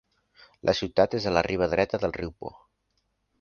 La ciutat és a la riba dreta del riu Po.